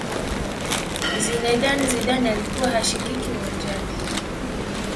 zinedine zidane alikuwa hashikiki uwanjani